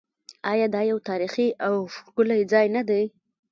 آیا دا یو تاریخي او ښکلی ځای نه دی؟